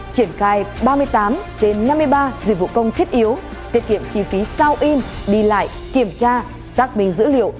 triển khai ba mươi tám trên năm mươi ba dịch vụ công thiết yếu tiết kiệm chi phí sao in đi lại kiểm tra xác minh dữ liệu